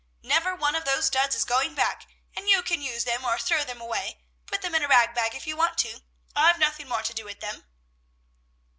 Never one of those duds is going back, and you can use them or throw them away; put them in a rag bag if you want to; I've nothing more to do with them."